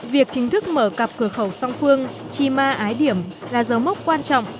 việc chính thức mở cặp cửa khẩu song phương chima ái điểm là dấu mốc quan trọng